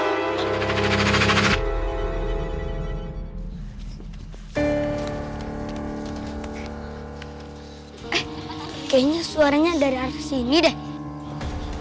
kayaknya suaranya dari arah sini deh